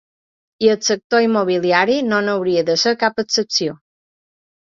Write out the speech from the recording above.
I el sector immobiliari no n’hauria de ser cap excepció.